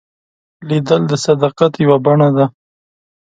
لیدل د صداقت یوه بڼه ده